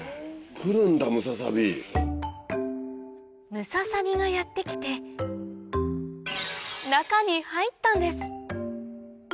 ムササビがやって来て中に入ったんです！